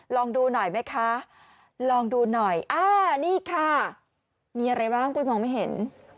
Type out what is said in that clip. ลองดูหน่อยไหมคะลองดูหน่อยอ่านี่ค่ะมีอะไรบ้างปุ้ยมองไม่เห็น